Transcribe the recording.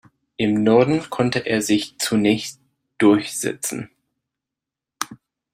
Im Norden konnte er sich zunächst durchsetzen.